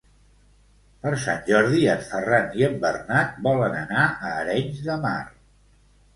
Per Sant Jordi en Ferran i en Bernat volen anar a Arenys de Mar.